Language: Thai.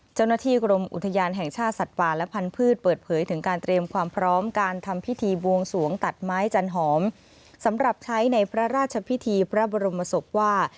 เจ้าหน้าที่กรมอุทยานแห่งชาติสัตว์ป่าและพันธุ์เปิดเผยถึงการเตรียมความพร้อมการทำพิธีบวงสวงตัดไม้จันหอมสำหรับใช้ในพระราชพิธีพระบรมศพว่า